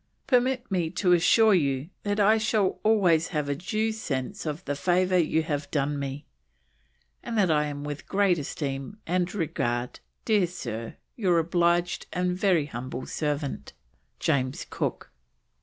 Permit me to assure you that I shall always have a due sense of the favour you have done me, and that I am with great esteem and regard, Dear Sir, your obliged and very humble servant, James Cook.